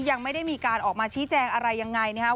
ยังไม่ได้มีการออกมาชี้แจงอะไรยังไงนะครับ